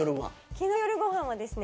昨日の夜ご飯はですね。